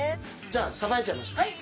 じゃあさばいちゃいましょう。